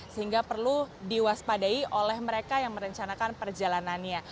sehingga perlu diwaspadai oleh mereka yang merencanakan perjalanannya